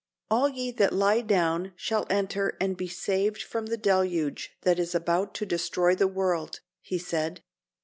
"All ye that lie down shall enter and be saved from the deluge that is about to destroy the world," he said.